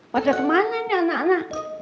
wajah kemana nih anak anak